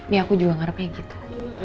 ya aku juga ngarepnya gitu